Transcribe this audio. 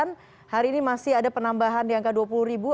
kenaikan hari ini masih ada penambahan di angka dua puluh ribu